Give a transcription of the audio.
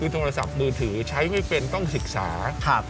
โทรศัพท์มือถือใช้ไม่เป็นต้องศึกษา